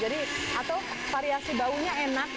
atau variasi baunya enak